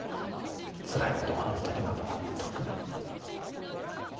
つらいことがある時などは特に。